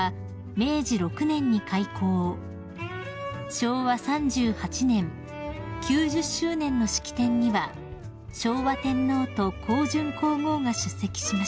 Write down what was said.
［昭和３８年９０周年の式典には昭和天皇と香淳皇后が出席しました］